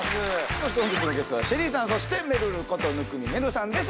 そして本日のゲストはＳＨＥＬＬＹさんそしてめるること生見愛瑠さんです